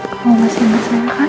kamu masih ngerasakan